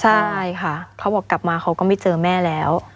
ใช่ค่ะเขาบอกกลับมาเขาก็ไม่เจอแม่แล้ว